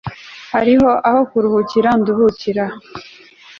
hariho aho kuruhukira nduhukira